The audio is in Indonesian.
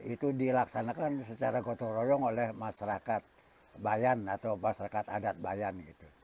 itu dilaksanakan secara gotong royong oleh masyarakat bayan atau masyarakat adat bayan